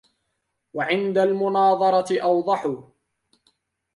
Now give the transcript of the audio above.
وَعِنْدَ الْمُنَاظَرَةِ أَوْضَحُ